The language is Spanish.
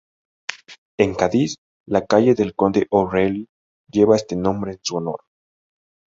En Cádiz, la calle del Conde O´Reilly lleva este nombre en su honor.